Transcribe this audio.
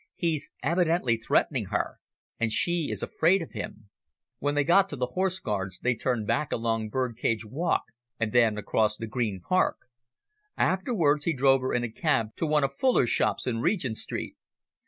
"He's evidently threatening her, and she is afraid of him When they got to the Horse Guards they turned back along Birdcage Walk and then across the Green Park. Afterwards he drove her in a cab to one of Fuller's shops in Regent Street.